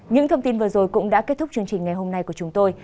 những thông tin vừa rồi cũng đã kết thúc chương trình ngày hôm nay của chúng tôi